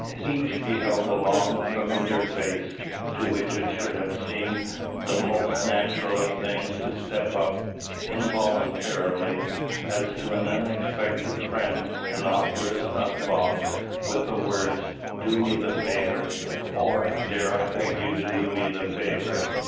Each beheld a long familiar face, to which it should have seemed the most natural of things to step up, involuntarily, as to an unexpected friend, and offer a snuff box, with the words, "Do me the favour," or "Dare I beg you to do me the favour?"